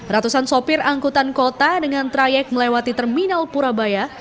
ratusan sopir angkutan kota dengan trayek melewati terminal purabaya